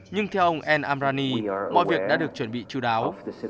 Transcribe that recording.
nhưng theo ông el amrani mọi việc đã được chuẩn bị chú đáo